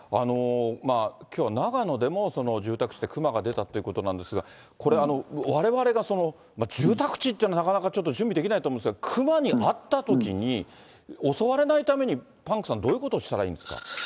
きょうは長野でも、住宅地で熊が出たっていうことなんですが、これ、われわれが住宅地っていうのはなかなかちょっと準備できないと思うんですが、熊に会ったときに、襲われないために、パンクさん、どういうことをしたらいいんですか。